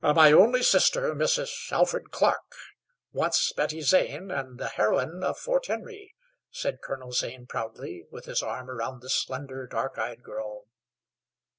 "My only sister, Mrs. Alfred Clarke once Betty Zane, and the heroine of Fort Henry," said Colonel Zane proudly, with his arm around the slender, dark eyed girl.